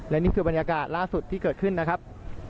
และนี่คือบรรยากาศล่าสุดที่เกิดขึ้นนะครับ